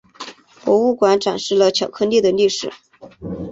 博物馆展示了巧克力的历史。